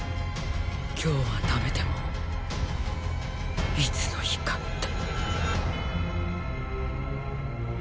今日はダメでもいつの日かって。